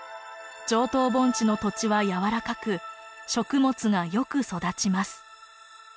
上党盆地の土地はやわらかく食物がよく育ちます。